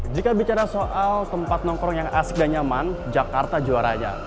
jika bicara soal tempat nongkrong yang asik dan nyaman jakarta juaranya